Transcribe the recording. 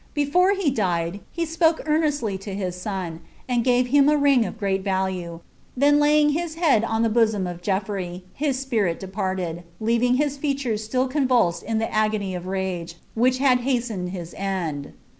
Before ht died) he spoke earnestly to his son, and eave him a ring of great nlns then laying his head on the bosom of Geodrey,' hia spiiit depmUii leaving his features siill convulsed with the agony of roge, which twl hastened his end.